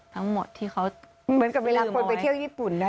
ทั้งหมดที่เขาเหมือนกับเวลาคนไปเที่ยวญี่ปุ่นนะ